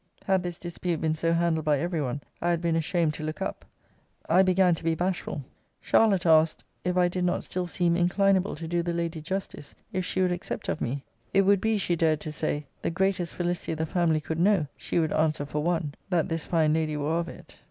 Had this dispute been so handled by every one, I had been ashamed to look up. I began to be bashful. Charlotte asked if I did not still seem inclinable to do the lady justice, if she would accept of me? It would be, she dared to say, the greatest felicity the family could know (she would answer for one) that this fine lady were of it.